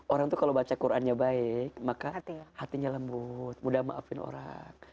orang tuh kalau baca qurannya baik maka hatinya lembut mudah maafin orang